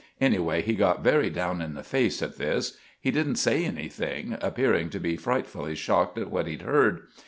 Anyway, he got very down in the face at this. He didn't say anything appeering to be frightfully shocked at what he'd heard.